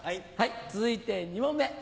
続いて２問目。